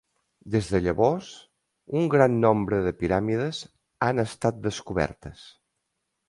Des de llavors, un gran nombre de piràmides han estat descobertes.